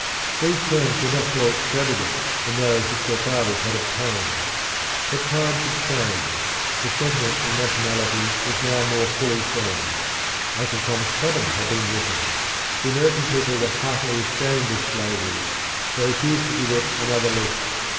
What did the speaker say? These terms were not more extravagant than those which their fathers had obtained. But times had changed: the sentiment of nationality was now more fully formed; "Uncle Tom's Cabin" had been written; the American people were heartily ashamed of slavery; they refused to give it another lease.